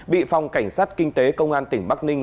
bị phòng cảnh sát kinh tế công an tỉnh bắc ninh